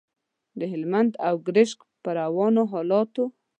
د هلمند او ګرشک پر روانو حالاتو.